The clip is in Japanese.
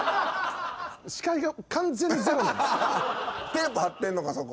テープ貼ってんのかそこ。